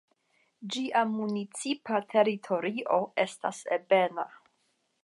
Ĝia municipa teritorio estas ebena.